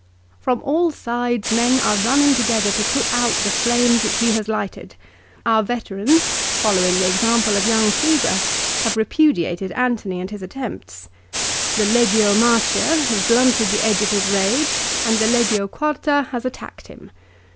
" From all sides men are running together to put out the flames which he has lighted. Our veterans, following the example of young Caesar, have repudiated Antony and his attempts. The ' Legio Martia ' has blunted the edge of his rage and the ' Legio Quarta ' has attacked him.